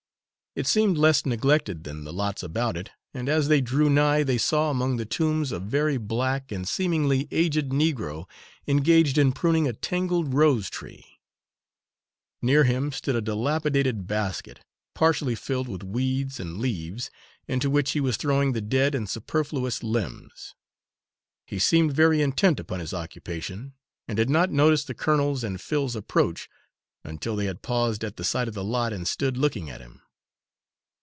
It seemed less neglected than the lots about it, and as they drew nigh they saw among the tombs a very black and seemingly aged Negro engaged in pruning a tangled rose tree. Near him stood a dilapidated basket, partially filled with weeds and leaves, into which he was throwing the dead and superfluous limbs. He seemed very intent upon his occupation, and had not noticed the colonel's and Phil's approach until they had paused at the side of the lot and stood looking at him.